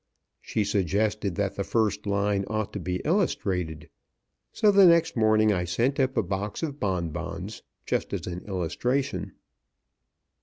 She suggested that the first line ought to be illustrated. So the next morning I sent up a box of bonbons, just as an illustration.